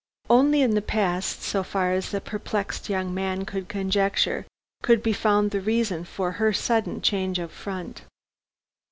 Only in the past so far as the perplexed young man could conjecture could be found the reason for her sudden change of front.